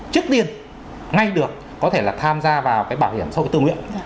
trước tiên ngay được có thể là tham gia vào cái bảo hiểm sau cái tự nguyện